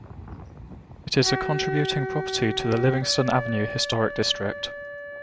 It is a contributing property to the Livingston Avenue Historic District.